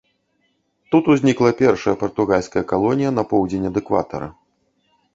Тут узнікла першая партугальская калонія на поўдзень ад экватара.